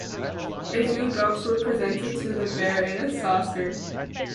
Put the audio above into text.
A few drops were presented to the bear in a saucer.